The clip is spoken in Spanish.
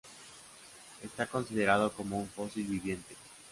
Está considerado como un fósil viviente.